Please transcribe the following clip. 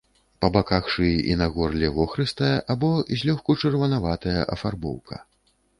Па баках шыі і на горле вохрыстая або злёгку чырванаватая афарбоўка.